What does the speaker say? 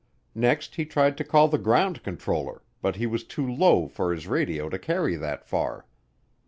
Next he tried to call the ground controller but he was too low for his radio to carry that far.